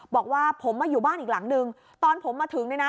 บอกว่าผมมาอยู่บ้านอีกหลังนึงตอนผมมาถึงเนี่ยนะ